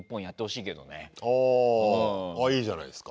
いいじゃないですか。